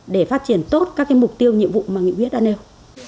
để phát triển tốt các mục tiêu nhiệm vụ mà nghị quyết đã nêu